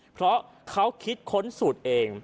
เพราะเขาคิดขนสุดเอง